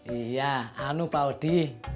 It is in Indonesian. iya anu pak odi